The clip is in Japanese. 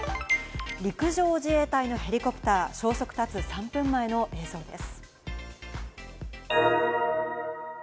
陸上自衛隊のヘリコプター、消息絶つ３分前の映像です。